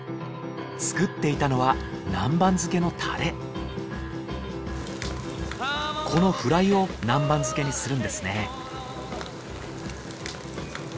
作っていたのはこのフライを南蛮漬けにするんですね